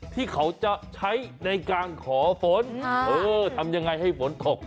ที่เขาจะใช้ในการขอฝนทำยังไงให้ฝนตก